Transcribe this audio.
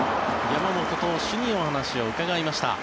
山本投手にお話を伺いました。